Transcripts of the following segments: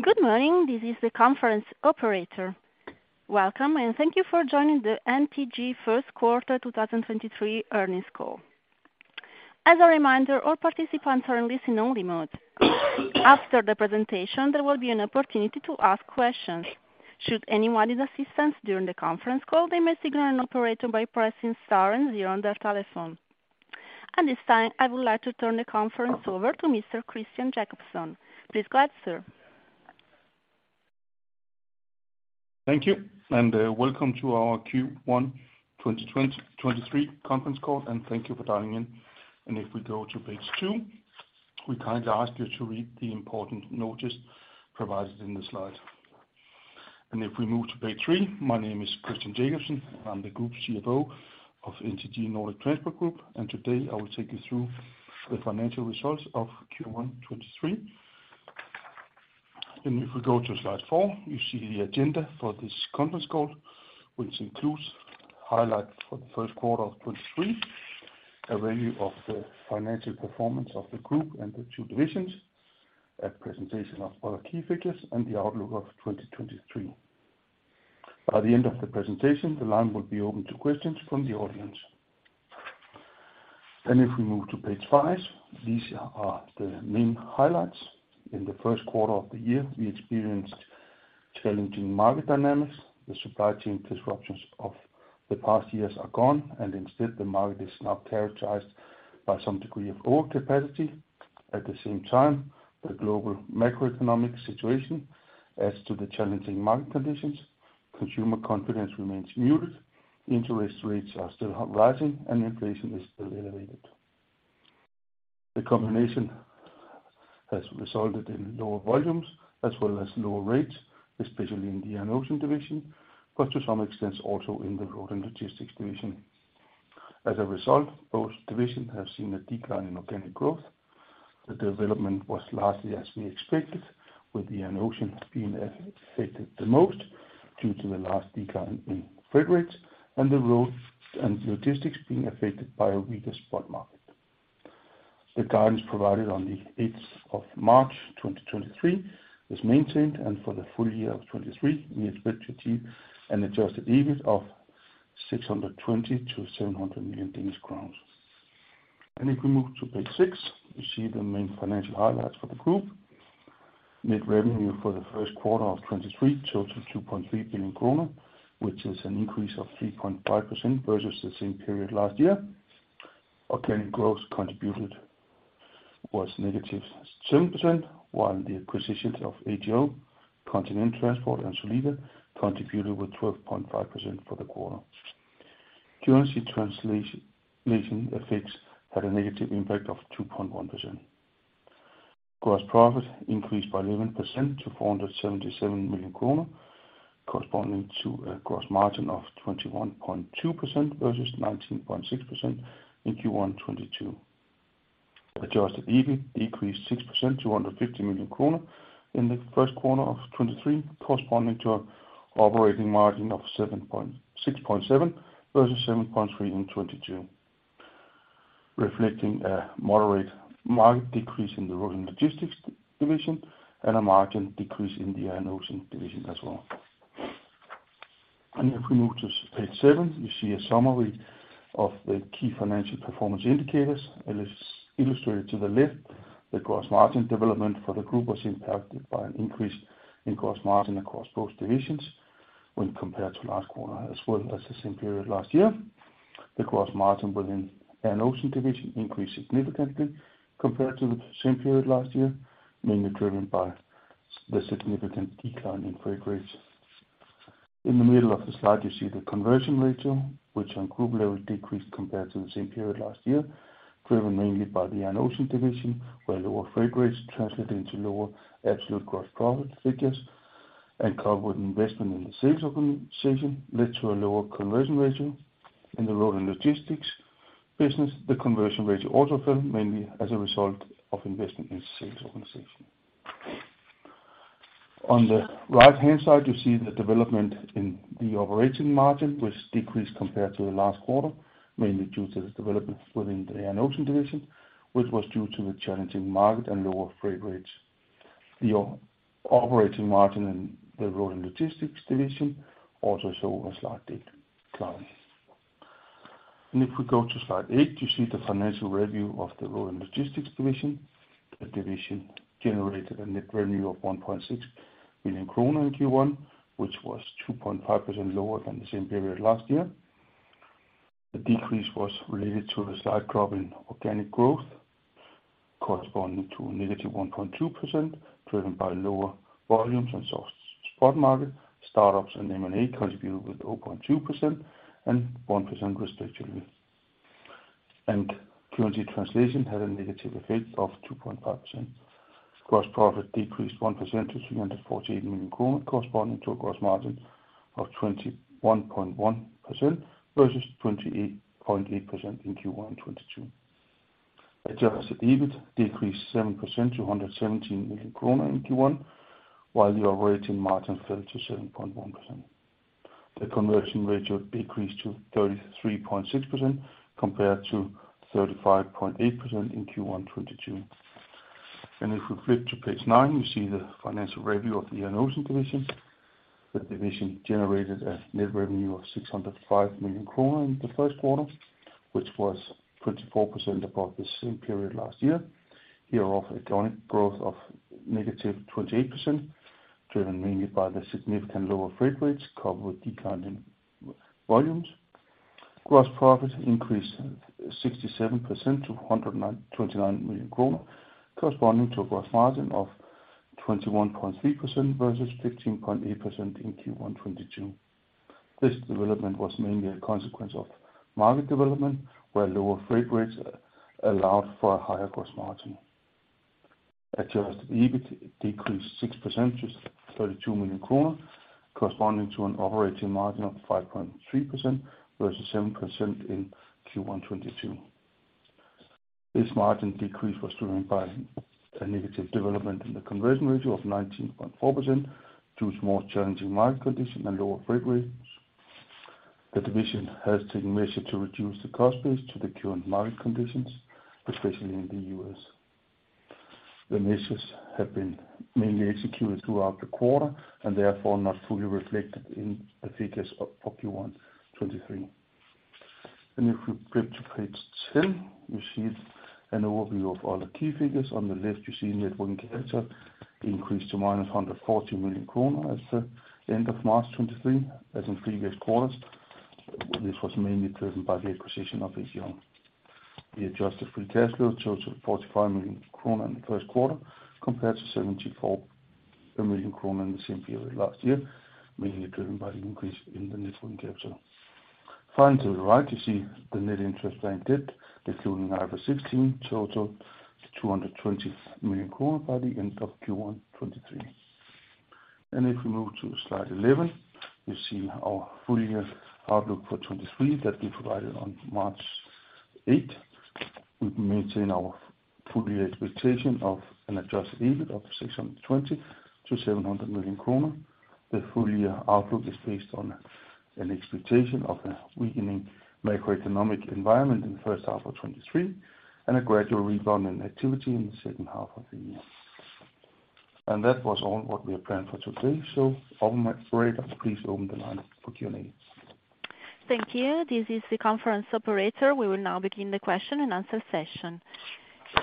Good morning. This is the conference operator. Welcome, and thank you for joining the NTG first quarter 2023 earnings call. As a reminder, all participants are in listen-only mode. After the presentation, there will be an opportunity to ask questions. Should anyone need assistance during the conference call, they may signal an operator by pressing star and zero on their telephone. At this time, I would like to turn the conference over to Mr. Christian Jakobsen. Please go ahead, sir. Thank you, and welcome to our Q1 2023 conference call, and thank you for dialing in. If we go to page two, we kindly ask you to read the important notice provided in the slide. If we move to page three, my name is Christian Jakobsen. I'm the Group CFO of NTG Nordic Transport Group, and today I will take you through the financial results of Q1 2023. If we go to slide four, you see the agenda for this conference call, which includes highlight for the first quarter of 2023, a review of the financial performance of the group and the two divisions, a presentation of our key figures, and the outlook of 2023. By the end of the presentation, the line will be open to questions from the audience. If we move to page five, these are the main highlights. In the first quarter of the year, we experienced challenging market dynamics. The supply chain disruptions of the past years are gone, and instead, the market is now characterized by some degree of overcapacity. At the same time, the global macroeconomic situation adds to the challenging market conditions. Consumer confidence remains muted, interest rates are still rising, and inflation is still elevated. The combination has resulted in lower volumes as well as lower rates, especially in the Air & Ocean division, but to some extent also in the Road & Logistics division. As a result, both divisions have seen a decline in organic growth. The development was largely as we expected, with the Air & Ocean being affected the most due to the large decline in freight rates and the Road & Logistics being affected by a weaker spot market. The guidance provided on the 8th of March, 2023 was maintained, for the full year of 2023, we expect to achieve an adjusted EBIT of 620 million-700 million Danish crowns. If we move to page six, you see the main financial highlights for the group. Net revenue for the first quarter of 2023 totaled 2.3 billion kroner, which is an increase of 3.5% versus the same period last year. Organic growth contributed was -7%, while the acquisitions of AGL, Kontinent Transport, and Solida contributed with 12.5% for the quarter. Currency translation effects had a negative impact of 2.1%. Gross profit increased by 11% to 477 million kroner, corresponding to a gross margin of 21.2% versus 19.6% in Q1 2022. Adjusted EBIT decreased 6% to 250 million kroner in the first quarter of 2023, corresponding to an operating margin of 6.7 versus 7.3 in 2022, reflecting a moderate market decrease in the Road & Logistics division and a margin decrease in the Air & Ocean division as well. If we move to page seven, you see a summary of the key financial performance indicators, and it's illustrated to the left. The gross margin development for the group was impacted by an increase in gross margin across both divisions when compared to last quarter as well as the same period last year. The gross margin within Air & Ocean division increased significantly compared to the same period last year, mainly driven by the significant decline in freight rates. In the middle of the slide, you see the conversion ratio, which on group level decreased compared to the same period last year, driven mainly by the Air & Ocean division, where lower freight rates translate into lower absolute gross profit figures and coupled with investment in the sales organization led to a lower conversion ratio. In the Road & Logistics business, the conversion ratio also fell mainly as a result of investment in sales organization. On the right-hand side, you see the development in the operating margin, which decreased compared to the last quarter, mainly due to the developments within the Air & Ocean division, which was due to the challenging market and lower freight rates. The operating margin in the Road & Logistics division also saw a slight decline. If we go to slide eight, you see the financial review of the Road & Logistics division. The division generated a net revenue of 1.6 billion kroner in Q1, which was 2.5% lower than the same period last year. The decrease was related to a slight drop in organic growth corresponding to a -1.2%, driven by lower volumes and spot market. Start-ups and M&A contributed with 0.2% and 1% respectively. Currency translation had a negative effect of 2.5%. Gross profit decreased 1% to 348 million kroner, corresponding to a gross margin of 21.1% versus 28.8% in Q1 2022. Adjusted EBIT decreased 7% to 117 million kroner in Q1, while the operating margin fell to 7.1%. The conversion ratio increased to 33.6% compared to 35.8% in Q1 2022. If we flip to page nine, you see the financial review of the Air & Ocean division. The division generated a net revenue of 605 million kroner in the first quarter, which was 24% above the same period last year. Hereof, a organic growth of -28%, driven mainly by the significant lower freight rates coupled with declining volumes. Gross profit increased 67% to 129 million kroner, corresponding to a gross margin of 21.3% versus 15.8% in Q1 2022. This development was mainly a consequence of market development, where lower freight rates allowed for a higher gross margin. Adjusted EBIT decreased 6% to 32 million kroner, corresponding to an operating margin of 5.3% versus 7% in Q1 2022. This margin decrease was driven by a negative development in the conversion ratio of 19.4% due to more challenging market conditions and lower freight rates. The division has taken measures to reduce the cost base to the current market conditions, especially in the U.S. The measures have been mainly executed throughout the quarter and therefore not fully reflected in the figures of Q1 2023. If we flip to page 10, you see an overview of all the key figures. On the left, you see net working capital increased to -140 million kroner at the end of March 2023, as in previous quarters. This was mainly driven by the acquisition of AGL. The adjusted free cash flow totaled 45 million kroner in the first quarter compared to 74 million kroner in the same period last year, mainly driven by the increase in the net working capital. Finally, to the right, you see the net interest-bearing debt, including IFRS 16, totaled 220 million by the end of Q1 2023. If we move to slide 11, you see our full-year outlook for 2023 that we provided on March 8. We maintain our full-year expectation of an adjusted EBIT of 620 million-700 million kroner. The full-year outlook is based on an expectation of a weakening macroeconomic environment in the first half of 2023 and a gradual rebound in activity in the second half of the year. That was all what we had planned for today. Operator, please open the line for Q&A. Thank you. This is the conference operator. We will now begin the question-and-answer session.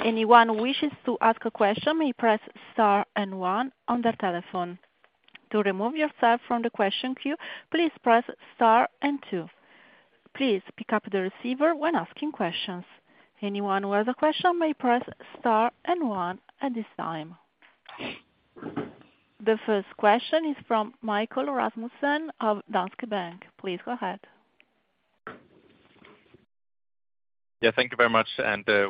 Anyone who wishes to ask a question may press star and one on their telephone. To remove yourself from the question queue, please press star and two. Please pick up the receiver when asking questions. Anyone who has a question may press star and one at this time. The first question is from Michael Rasmussen of Danske Bank. Please go ahead. Thank you very much,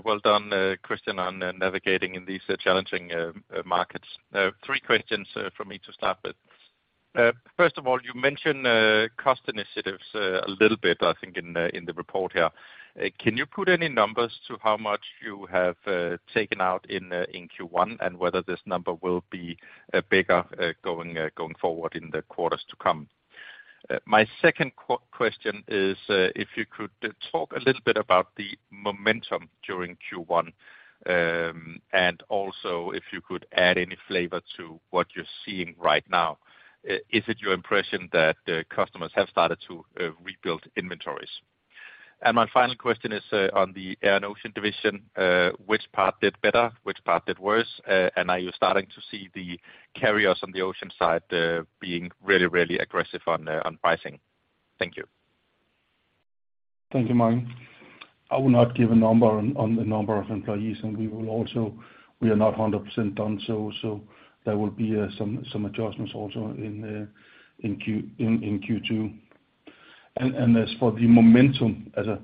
well done, Christian, on navigating in these challenging markets. Three questions from me to start with. First of all, you mentioned cost initiatives a little bit, I think, in the report here. Can you put any numbers to how much you have taken out in Q1, and whether this number will be bigger going forward in the quarters to come? My second question is, if you could talk a little bit about the momentum during Q1, and also if you could add any flavor to what you're seeing right now. Is it your impression that customers have started to rebuild inventories? My final question is on the Air & Ocean division. Which part did better, which part did worse? Are you starting to see the carriers on the ocean side, being really, really aggressive on pricing? Thank you. Thank you, Michael. I will not give a number on the number of employees, and we are not 100% done, so there will be some adjustments also in Q2. As for the momentum, as a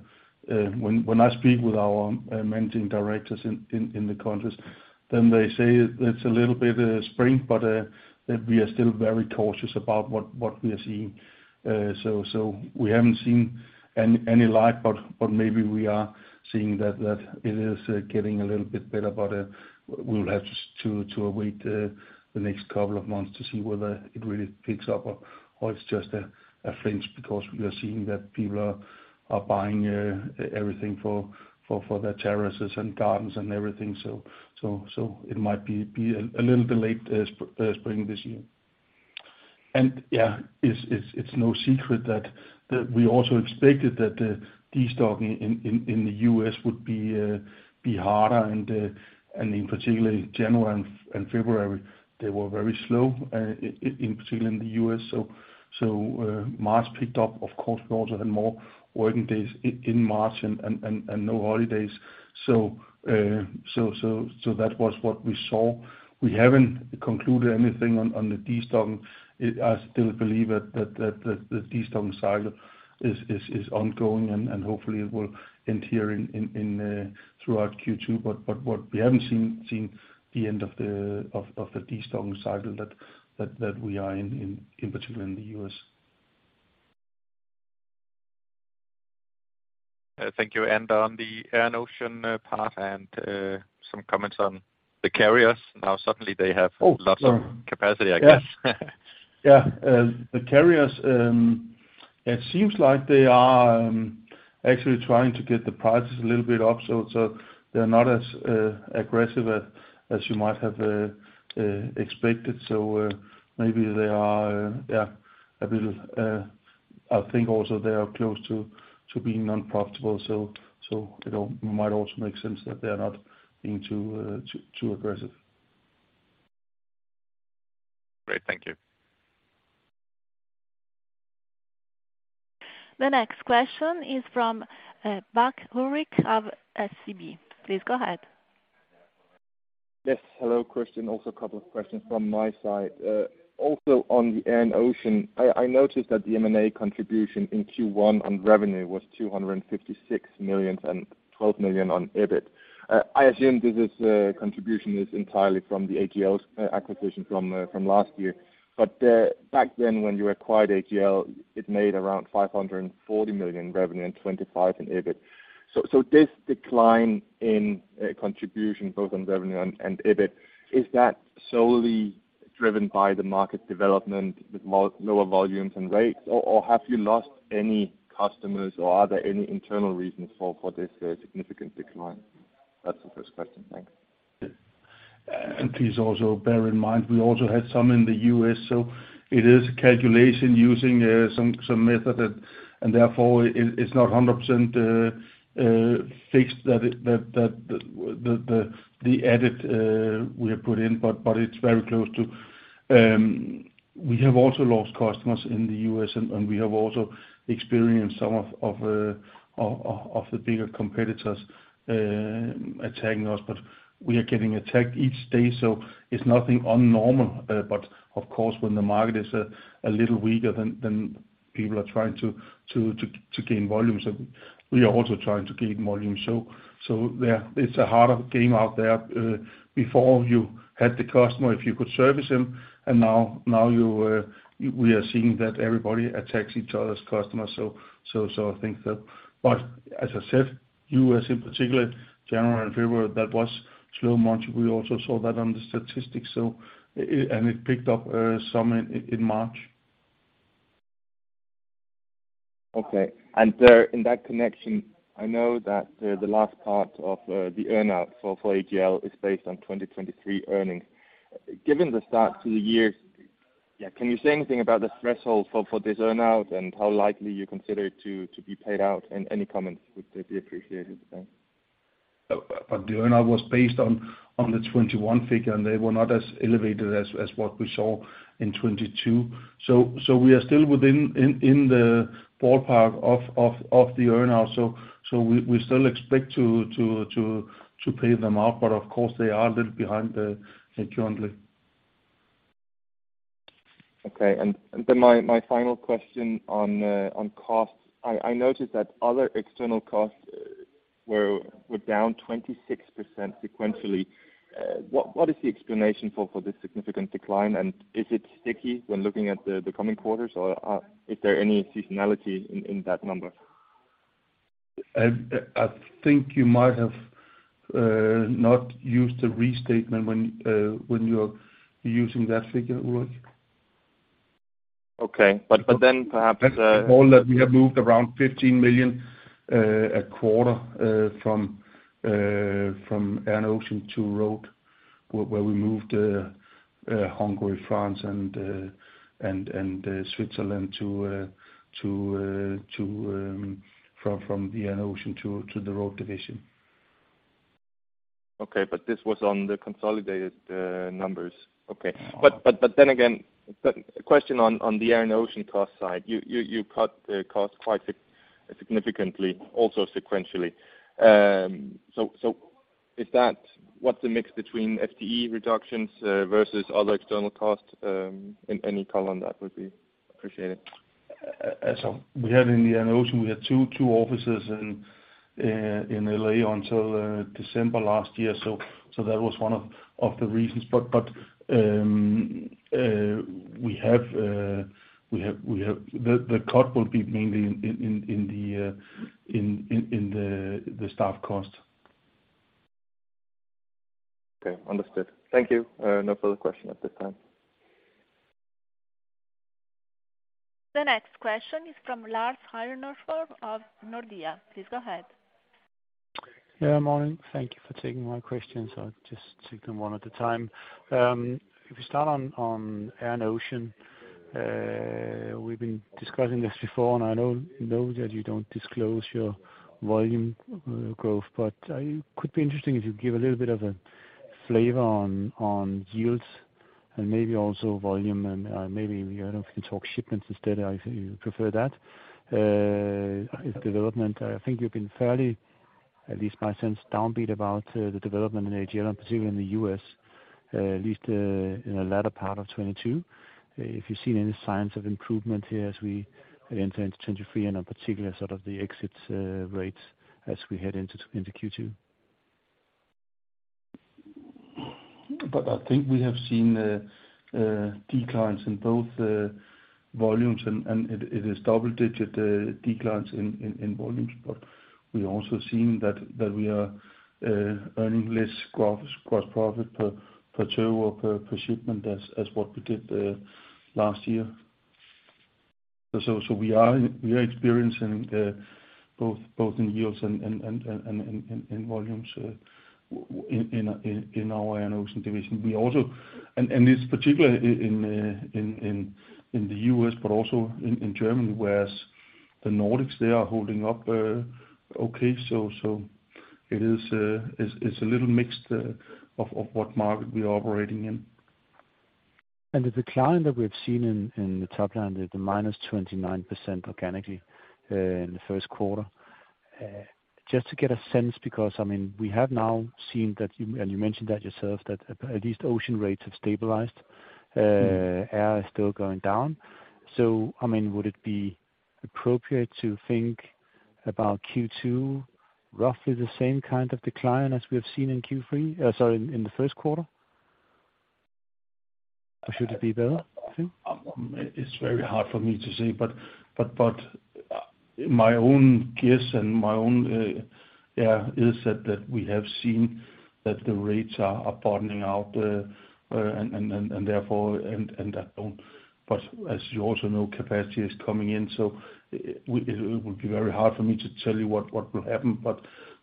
when I speak with our managing directors in the countries, then they say it's a little bit spring, but that we are still very cautious about what we are seeing. We haven't seen any light, but maybe we are seeing that it is getting a little bit better, but we'll have to await the next couple of months to see whether it really picks up or it's just a flinch because we are seeing that people are buying everything for their terraces and gardens and everything. It might be a little delayed spring this year. Yeah, it's, it's no secret that we also expected that the destocking in the U.S. would be harder and in particularly January and February, they were very slow in particular in the U.S. March picked up. Of course, we also had more working days in March and no holidays. That was what we saw. We haven't concluded anything on the destocking. I still believe that the destocking cycle is ongoing and hopefully it will end here throughout Q2. What we haven't seen the end of the destocking cycle that we are in particular in the U.S. Thank you. On the Air & Ocean path and some comments on the carriers. Now suddenly they have lots of capacity, I guess. Yeah. The carriers, it seems like they are actually trying to get the prices a little bit up, so they're not as aggressive as you might have expected. Maybe they are, yeah, a bit of. I think also they are close to being unprofitable. So, you know, it might also make sense that they're not being too aggressive. Great. Thank you. The next question is from Bak Ulrik of SEB. Please go ahead. Yes. Hello, Christian. Also a couple of questions from my side. Also on the Air & Ocean, I noticed that the M&A contribution in Q1 on revenue was 256 million and 12 million on EBIT. I assume this contribution is entirely from the AGL's acquisition from last year. back then, when you acquired AGL, it made around 540 million revenue and 25 million in EBIT. this decline in contribution both on revenue and EBIT, is that solely driven by the market development with lower volumes and rates, or have you lost any customers or are there any internal reasons for this significant decline? That's the first question. Thanks. Please also bear in mind, we also had some in the U.S., so it is a calculation using some method that. Therefore it's not 100% fixed that the edit we have put in, but it's very close to. We have also lost customers in the U.S. and we have also experienced some of the bigger competitors attacking us. We are getting attacked each day, so it's nothing unnormal. Of course, when the market is a little weaker than people are trying to gain volumes, and we are also trying to gain volumes. Yeah, it's a harder game out there. Before you had the customer, if you could service him, now you, we are seeing that everybody attacks each other's customers. I think that... As I said, U.S. in particular, January and February, that was slow months. We also saw that on the statistics, it picked up some in March. Okay. In that connection, I know that the last part of the earn-out for AGL is based on 2023 earnings. Given the start to the year, yeah, can you say anything about the threshold for this earn-out and how likely you consider it to be paid out, and any comments would be appreciated. Thanks. The earn-out was based on the 2021 figure, and they were not as elevated as what we saw in 2022. We are still within, in the ballpark of the earn-out. We still expect to pay them out, but of course they are a little behind, currently. Okay. Then my final question on costs. I noticed that other external costs were down 26% sequentially. What is the explanation for this significant decline, and is it sticky when looking at the coming quarters, or is there any seasonality in that number? I think you might have not used the restatement when you're using that figure, Ulrik. Okay. But then perhaps... All that we have moved around 15 million a quarter from Air & Ocean to Road, where we moved Hungary, France and Switzerland from the Air & Ocean to the Road division. Okay. This was on the consolidated numbers. Okay. Then again, a question on the Air & Ocean cost side. You cut the cost quite significantly also sequentially. Is that? What's the mix between FTE reductions versus other external costs? Any color on that would be appreciated. We had in the Air and Ocean, we had two offices in L.A. until December last year. That was one of the reasons. But we have, we have. The cut will be mainly in the staff cost. Okay. Understood. Thank you. No further question at this time. The next question is from Lars Heindorff of Nordea. Please go ahead. Yeah. Morning. Thank you for taking my questions. I'll just take them one at a time. If we start on Air & Ocean, we've been discussing this before, and I know that you don't disclose your volume growth, but it could be interesting if you give a little bit of a flavor on yields and maybe also volume and maybe, I don't know, if you can talk shipments instead if you prefer that. Development. I think you've been fairly, at least my sense, downbeat about the development in AGL and particularly in the U.S., at least, in the latter part of 2022. If you've seen any signs of improvement here as we enter into 2023 and in particular sort of the exit rates as we head into Q2? I think we have seen declines in both volumes and it is double-digit declines in volumes. We also seen that we are earning less gross profit per tour, per shipment as what we did last year. We are experiencing both in yields and in volumes in our Air & Ocean division. It's particularly in the U.S. but also in Germany, whereas the Nordics, they are holding up okay. It's a little mixed of what market we are operating in. The decline that we've seen in the top line, the -29% organically, in the first quarter. Just to get a sense because, I mean, we have now seen that you mentioned that yourself, that at least ocean rates have stabilized, air is still going down. I mean, would it be appropriate to think about Q2 roughly the same kind of decline as we have seen in Q3, sorry, in the first quarter, or should it be better, you think? It's very hard for me to say, but my own guess and my own, yeah, is that we have seen that the rates are bottoming out and therefore, and but as you also know, capacity is coming in, so we would be very hard for me to tell you what will happen.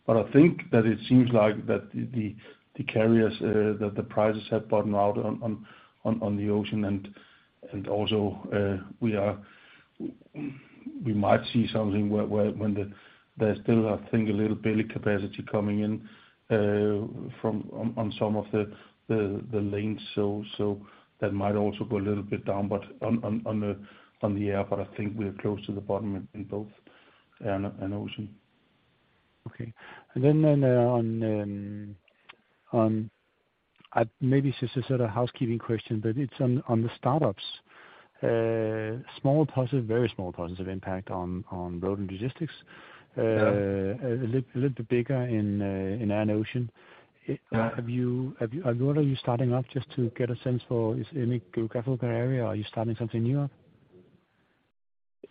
I think that it seems like that the carriers that the prices have bottomed out on the ocean and also we might see something where when the there's still I think a little belly capacity coming in from on some of the lanes. That might also go a little bit down, but on the Air. I think we're close to the bottom in both Air & Ocean. Okay. Then, on, maybe this is sort of a housekeeping question, but it's on the start-ups. Small positive, very small positive impact on Road & Logistics. Yeah. A little bit bigger in Air & Ocean. Yeah. What are you starting up, just to get a sense for, is any geographical area? Are you starting something new up?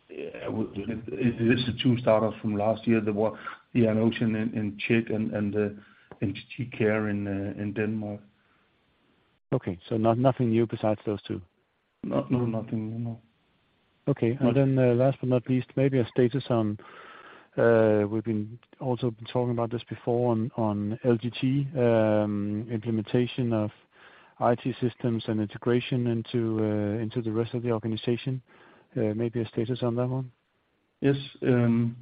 Yeah. It is the two start-ups from last year that were the Air & Ocean in Czech and in NTG Care in Denmark. Okay. nothing new besides those two? No, no, nothing new, no. Okay. Last but not least, maybe a status on, we've been also been talking about this before on LGT, implementation of IT systems and integration into the rest of the organization. Maybe a status on that one. Yes. We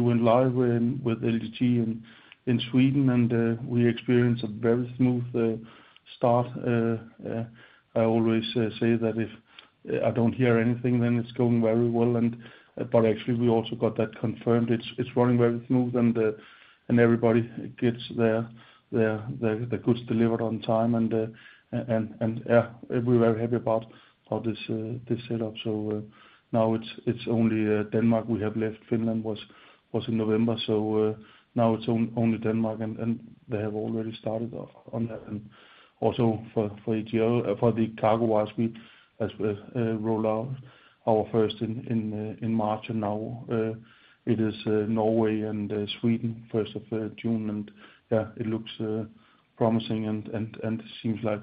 went live with LGT in Sweden, we experienced a very smooth start. I always say that if I don't hear anything, then it's going very well. But actually we also got that confirmed. It's running very smooth and everybody gets their goods delivered on time. Yeah, we're very happy about this setup. Now it's only Denmark we have left. Finland was in November, now it's only Denmark, and they have already started on that. Also for AGL, for the CargoWise, we roll out our first in March, now it is Norway and Sweden, 1st of June. Yeah, it looks promising and seems like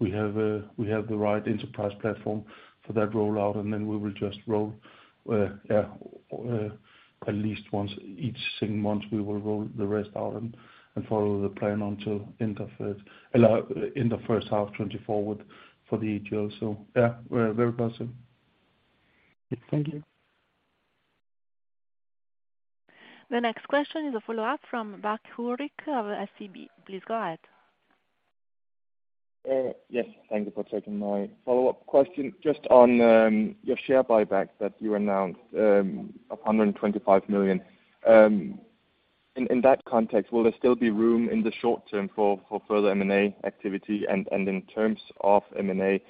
we have the right enterprise platform for that rollout, and then we will just roll at least once each each months we will roll the rest out and follow the plan until end of first half 2024 for the AGL. Yeah, we're very close here. Thank you. The next question is a follow-up from Bak Ulrik of SEB. Please go ahead. Yes, thank you for taking my follow-up question. Just on your share buyback that you announced of 125 million. In that context, will there still be room in the short-term for further M&A activity? In terms of M&A,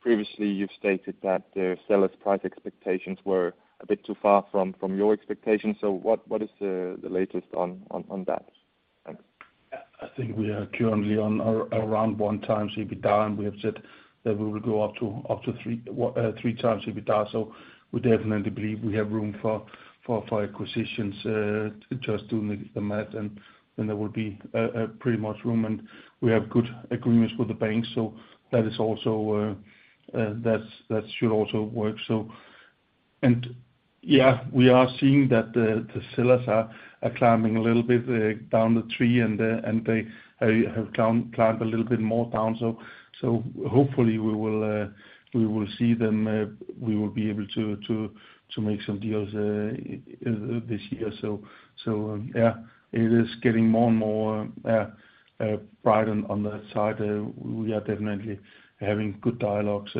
previously you've stated that the seller's price expectations were a bit too far from your expectations. What is the latest on that? Thanks. I think we are currently around 1x EBITDA. We have said that we will go up to 3x EBITDA. We definitely believe we have room for acquisitions. Just doing the math, there will be pretty much room, and we have good agreements with the bank. That is also that should also work. Yeah, we are seeing that the sellers are climbing a little bit down the tree and they have climbed a little bit more down. Hopefully we will see them, we will be able to make some deals this year. Yeah, it is getting more and more bright on that side. We are definitely having good dialogues,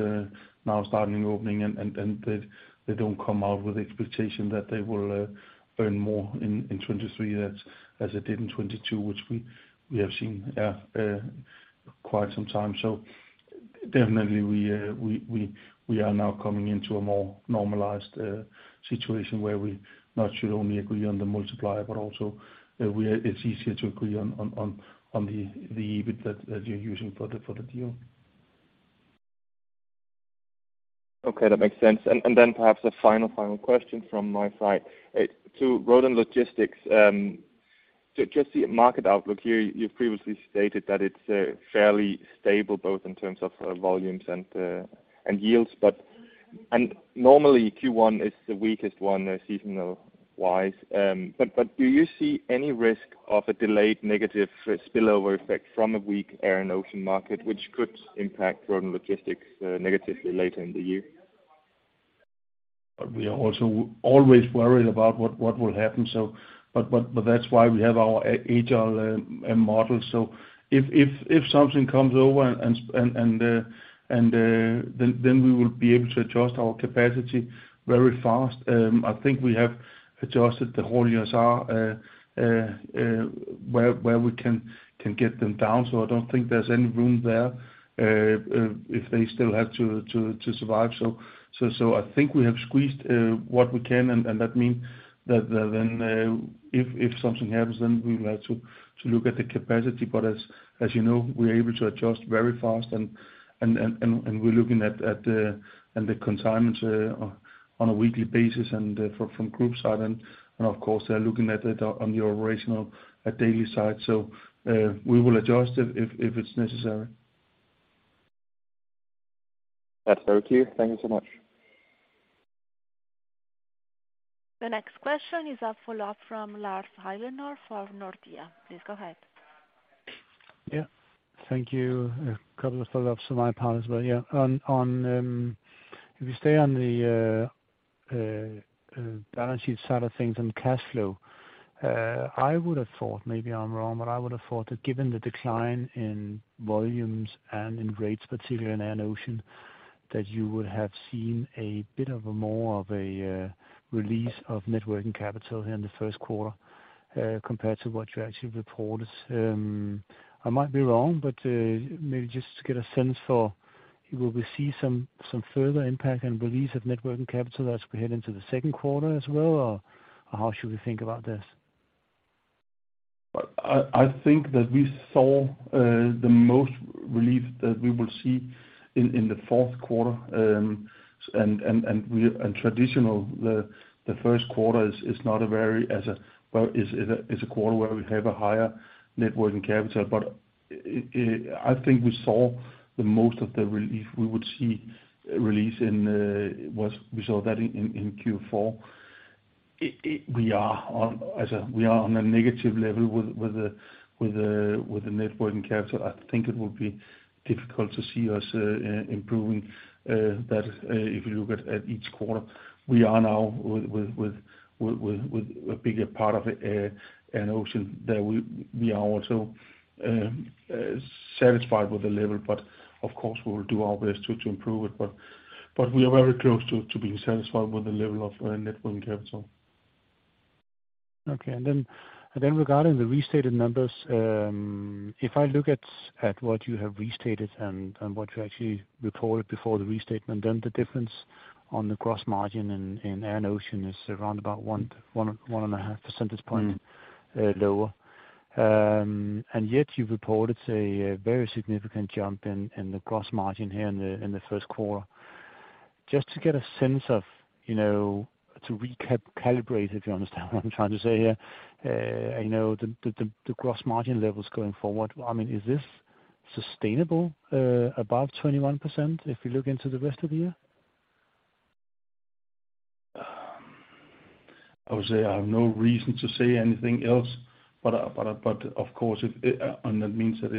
now starting opening and they don't come out with the expectation that they will earn more in 2023 as they did in 2022, which we have seen, yeah, quite some time. Definitely we are now coming into a more normalized situation where we not should only agree on the multiplier, but also, it's easier to agree on the EBIT that you're using for the deal. Okay, that makes sense. Then perhaps a final question from my side. To Road & Logistics. Just the market outlook here, you've previously stated that it's fairly stable both in terms of volumes and yields. Normally Q1 is the weakest one seasonal-wise. But do you see any risk of a delayed negative spillover effect from a weak Air & Ocean market which could impact Road & Logistics negatively later in the year? We are also always worried about what will happen. That's why we have our agile model. If something comes over and then we will be able to adjust our capacity very fast. I think we have adjusted the whole ESR where we can get them down, I don't think there's any room there if they still have to survive. I think we have squeezed what we can and that means that if something happens then we will have to look at the capacity. As you know, we're able to adjust very fast and we're looking at and the consignments on a weekly basis and from group side. Of course they're looking at it on the operational, daily side. We will adjust it if it's necessary. That's very clear. Thank you so much. The next question is a follow-up from Lars Heindorff for Nordea. Please go ahead. Yeah. Thank you. A couple of follow-ups on my part as well, yeah. On, if we stay on the balance sheet side of things and cash flow, I would have thought, maybe I'm wrong, but I would have thought that given the decline in volumes and in rates, particularly in Air & Ocean, that you would have seen a bit of a more of a release of net working capital here in the first quarter, compared to what you actually reported. I might be wrong, but maybe just to get a sense for will we see some further impact and release of net working capital as we head into the second quarter as well? Or how should we think about this? I think that we saw the most relief that we will see in the fourth quarter. Traditional, the first quarter is not a very, well, is a quarter where we have a higher net working capital. I think we saw the most of the relief we would see release in was we saw that in Q4. We are on a negative level with the net working capital. I think it would be difficult to see us improving that if you look at each quarter. We are now with a bigger part of the Air & Ocean that we are also satisfied with the level. Of course we will do our best to improve it, but we are very close to being satisfied with the level of net working capital. Okay. Regarding the restated numbers, if I look at what you have restated and what you actually recorded before the restatement, then the difference on the gross margin in Air & Ocean is around about 1.5 percentage points. Mm. lower. Yet you've reported a very significant jump in the gross margin here in the first quarter. Just to get a sense of, you know, to recalibrate, if you understand what I'm trying to say here. You know, the gross margin levels going forward. I mean, is this sustainable, above 21% if you look into the rest of the year? I would say I have no reason to say anything else, but of course if, and that means that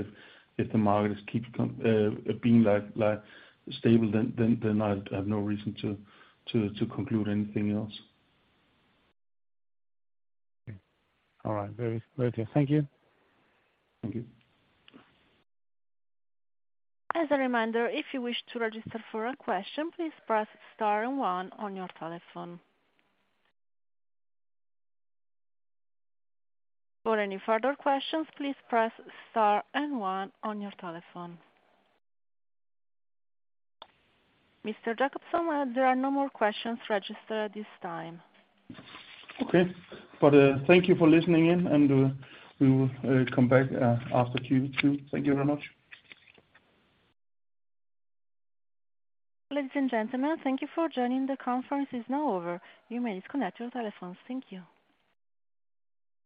if the market is keep being like stable, then I have no reason to conclude anything else. All right. Very, very clear. Thank you. Thank you. As a reminder, if you wish to register for a question, please press star and one on your telephone. For any further questions, please press star and one on your telephone. Mr. Jakobsen, there are no more questions registered at this time. Okay. Thank you for listening in, and we will come back after Q2. Thank you very much. Ladies and gentlemen, thank you for joining. The conference is now over. You may disconnect your telephones. Thank you.